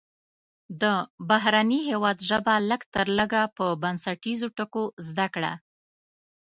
د بهرني هیواد ژبه لږ تر لږه په بنسټیزو ټکو زده کړه.